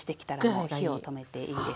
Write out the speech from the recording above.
もう火を止めていいです。